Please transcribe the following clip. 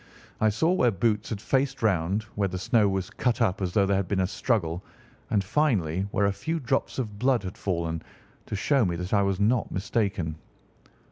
I saw where Boots had faced round, where the snow was cut up as though there had been a struggle, and, finally, where a few drops of blood had fallen, to show me that I was not mistaken.